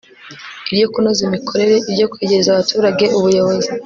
iryo kunoza imikorere, iryo kwegereza abaturage ubuyobozi